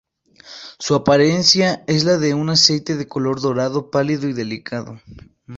Su apariencia es la de un aceite de color dorado pálido y delicado.